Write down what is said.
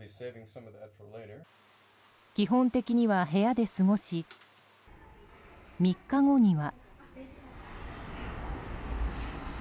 基本的には部屋で過ごし３日後には。